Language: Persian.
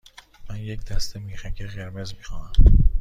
من یک دسته میخک قرمز می خواهم.